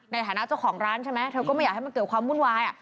ในฐานะเจ้าของร้านใช่ไหมเธอก็ไม่อยากให้มันเกิดความวุ่นวาย